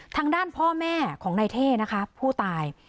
ทางด้านพ่อแม่ของนายเท่นะคะผู้ตาย